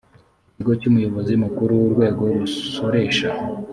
ikigo cy’umuyobozi mukuru w’urwego rusoresha